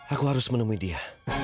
aku harus menemui dia